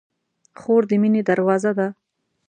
خور د مینې دروازه ده.